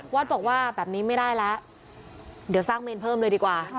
วัดบอกว่าแบบนี้ไม่ได้แล้วเดี๋ยวสร้างเมนเพิ่มเลยดีกว่า